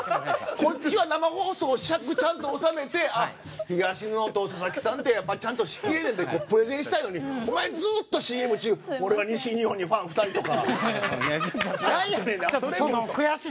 こっちは生放送ちゃんと尺、収めてあ、東野と佐々木さんってやっぱり、ちゃんと仕切れるんやなって感じにしたいのにお前は、ずっとＣＭ中俺は西日本にファン２人とか。